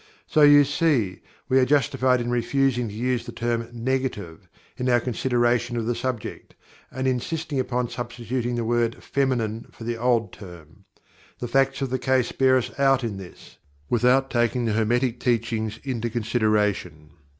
So you see we are justified in refusing to use the term "Negative" in our consideration of the subject, and in insisting upon substituting the word "Feminine" for the old term. The facts of the case bear us out in this, without taking the Hermetic Teachings into consideration.